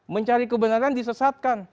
mencari kebenaran disesatkan